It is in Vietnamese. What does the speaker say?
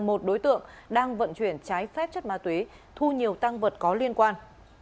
một đối tượng đang vận chuyển trái phép chất ma túy thu nhiều tăng vật có liên quan